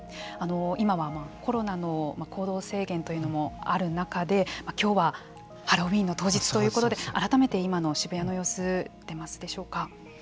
今はコロナの行動制限というのもある中で今日はハロウィーンの当日ということで改めて今の渋谷の様子出ますでしょうか。